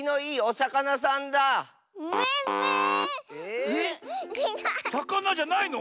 さかなじゃないの？